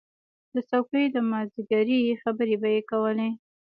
د څوکۍ د مازدیګري خبرې به یې کولې.